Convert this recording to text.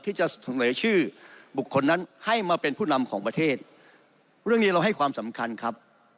ที่จะเสนอชื่อบุคคลนั้นให้มาเป็นผู้นำของประเทศเรื่องนี้เราให้ความสำคัญครับ